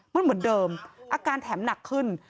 มันเหมือนเดิมอาการแถมหนักขึ้น